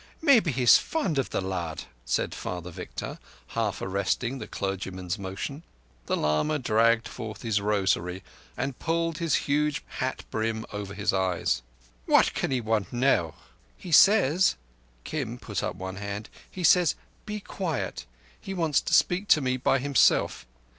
Maybe he's fond of the lad," said Father Victor, half arresting the clergyman's motion. The lama dragged forth his rosary and pulled his huge hat brim over his eyes. "What can he want now?" "He says"—Kim put up one hand. "He says: 'Be quiet.' He wants to speak to me by himself.